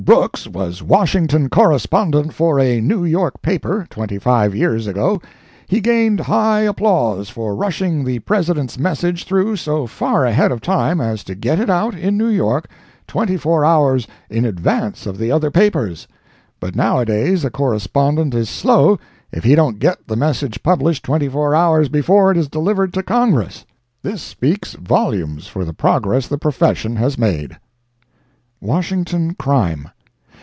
Brooks, was Washington correspondent for a New York paper twenty five years ago, he gained high applause for rushing the President's Message through so far ahead of time as to get it out, in New York, twenty four hours in advance of the other papers; but nowadays a correspondent is slow if he don't get the Message published twenty four hours before it is delivered to Congress! This speaks volumes for the progress the profession has made." Washington Crime.